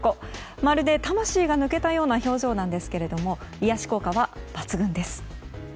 まるで魂が抜けたような表情なんですけども癒やし効果は抜群です。